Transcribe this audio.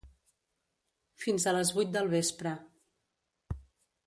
Fins a les vuit del vespre.